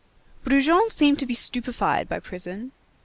Brujon seemed to be stupefied by prison.